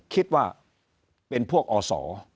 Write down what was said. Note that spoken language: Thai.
คิดว่าเป็นพวกอ่อสอ